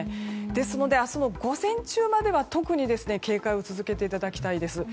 ですので明日の午前中までは特に警戒を続けていただきたいです。